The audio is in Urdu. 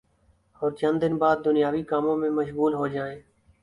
اور چند دن بعد دنیاوی کاموں میں مشغول ہو جائیں